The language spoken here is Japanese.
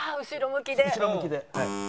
後ろ向きで。